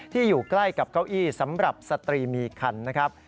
อยู่ใกล้กับเก้าอี้สำหรับสตรีมีคันนะครับ